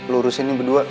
lu urusin nih berdua